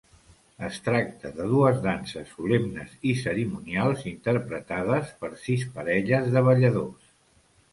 Es tracta de dues danses solemnes i cerimonials interpretades per sis parelles de balladors.